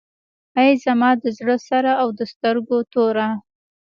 ای زما د زړه سره او د سترګو توره.